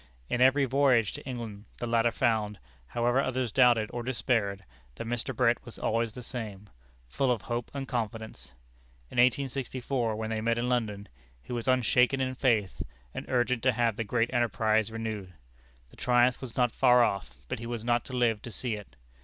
In every voyage to England the latter found however others doubted or despaired that Mr. Brett was always the same full of hope and confidence. In 1864, when they met in London, he was unshaken in faith, and urgent to have the great enterprise renewed. The triumph was not far off, but he was not to live to see it.